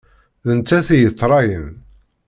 D nettat i yettṛayin.